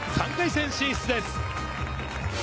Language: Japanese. ３回戦進出です。